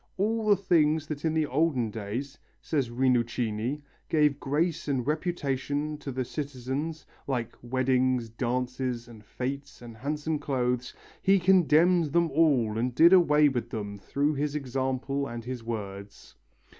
"All the things that in olden days," says Rinuccini, "gave grace and reputation to the citizens; like weddings, dances and fêtes and handsome clothes, he condemned them all and did away with them through his example and his words."